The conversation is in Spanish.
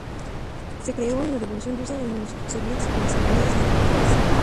Se creó en la Revolución rusa en los Soviets o Asambleas de Trabajadores.